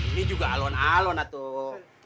ini juga alon alon atuk